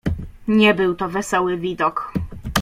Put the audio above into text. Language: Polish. "Nie był to wesoły widok."